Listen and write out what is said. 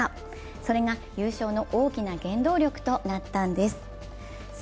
それが優勝の大きな原動力となったんです。